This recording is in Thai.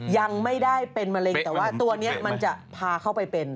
ยังไม่ได้เป็นมะเร็งแต่ว่าตัวนี้มันจะพาเข้าไปเป็น